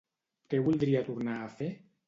Què voldria tornar a fer?